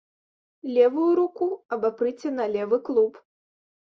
Левую руку абапрыце на левы клуб.